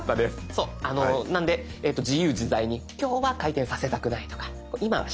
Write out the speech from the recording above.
そうなんで自由自在に今日は回転させたくないとか今はしたいんだ。